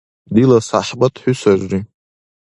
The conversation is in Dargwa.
Дила сяхӀбат хӀу сарри.